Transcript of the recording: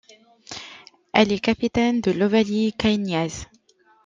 Elle est capitaine de l'Ovalie caennaise.